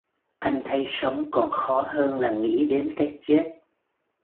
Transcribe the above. Anh thấy sống còn khó hơn là nghĩ đến cái chết